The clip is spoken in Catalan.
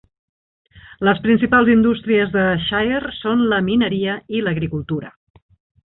Les principals indústries de Shire són la mineria i l'agricultura.